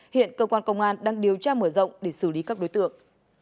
hiện cơ quan công an đang điều tra mở rộng để xử lý các đối tượng